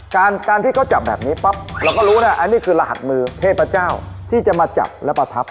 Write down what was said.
การการที่เขาจับแบบนี้ปั๊บเราก็รู้นะอันนี้คือรหัสมือเทพเจ้าที่จะมาจับและประทับ